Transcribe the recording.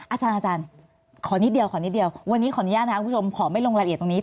อาจารย์ขอนิดเดียวขอนิดเดียววันนี้ขออนุญาตนะครับคุณผู้ชมขอไม่ลงรายละเอียดตรงนี้